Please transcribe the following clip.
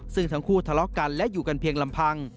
ซึ่งทั้งคู่ทะเลาะกันและอยู่กันเพียงลำพัง